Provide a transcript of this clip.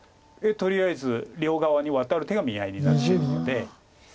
とりあえず両側にワタる手が見合いになるので。